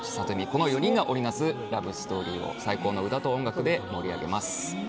この４人が織り成す最高のラブストーリーを最高の歌と音楽で盛り上げます。